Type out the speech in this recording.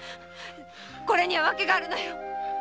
これには訳があるのよ